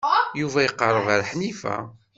Yuba iqerreb ar Ḥnifa.